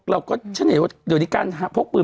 เราก็ฉันเห็นว่าเดี๋ยวนี้การพกปืน